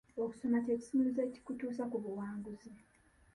Okusoma kye kisumuluzo ekikutuusa ku buwanguzi.